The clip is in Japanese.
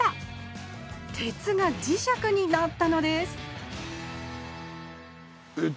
鉄が磁石になったのですえっ